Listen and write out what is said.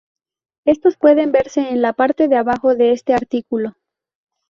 Estos pueden verse en la parte de abajo de este artículo.